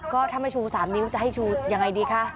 ก็ถ้าไม่ชู๓นิ้วจะให้ชูยังไงดีคะ